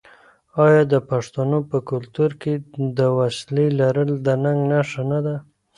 آیا د پښتنو په کلتور کې د وسلې لرل د ننګ نښه نه ده؟